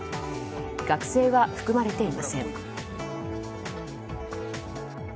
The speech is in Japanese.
学生は含まれていません。